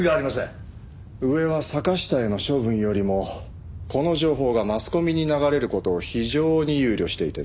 上は坂下への処分よりもこの情報がマスコミに流れる事を非常に憂慮していてね。